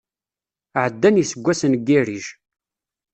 Ɛeddan yiseggasen n yirrij.